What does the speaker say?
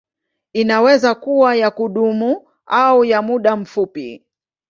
Inaweza kuwa ya kudumu au ya muda mfupi.